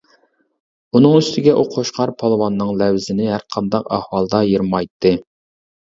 ئۇنىڭ ئۈستىگە، ئۇ قوچقار پالۋاننىڭ لەۋزىنى ھەرقانداق ئەھۋالدا يىرمايتتى.